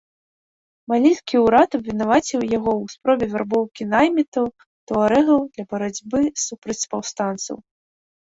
Малійскі ўрад абвінаваціў яго ў спробе вярбоўкі наймітаў-туарэгаў для барацьбы супраць паўстанцаў.